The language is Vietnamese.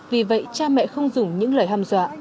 vì vậy cha mẹ không dùng những lời ham dọa